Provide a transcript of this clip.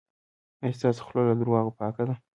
ایا ستاسو خوله له درواغو پاکه ده؟